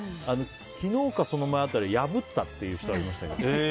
昨日かその前辺り破ったっていう人はいました。